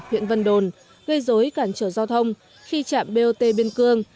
huyện vân đồn gây dối cản trở giao thông khi trạm bot biên cương